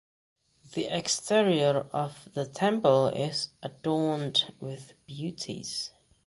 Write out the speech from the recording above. The exterior of the temple is adorned with beauties.